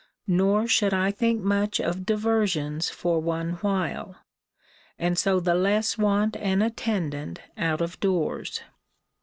Nor should I think much of diversions for one while; and so the less want an attendant out of doors.